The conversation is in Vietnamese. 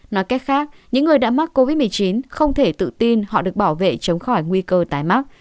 nói cách khác những người đã mắc covid một mươi chín không thể tự tin họ được bảo vệ chống khỏi nguy cơ tái mắc